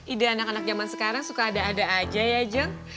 ide anak anak zaman sekarang suka ada ada aja ya jeng